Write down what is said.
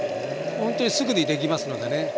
ほんとにすぐにできますのでね。